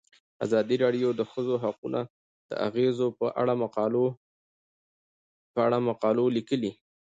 ازادي راډیو د د ښځو حقونه د اغیزو په اړه مقالو لیکلي.